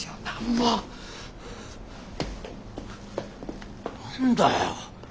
何だよ？